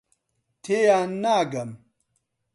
تێیان ناگەم.